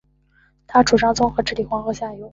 他主张综合治理黄河下游。